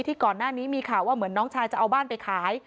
ก่อนหน้านี้มีข่าวว่าเหมือนน้องชายจะเอาบ้านไปขาย